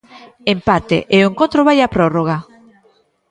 Empate e o encontro vai á prórroga.